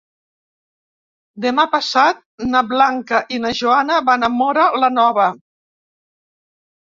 Demà passat na Blanca i na Joana van a Móra la Nova.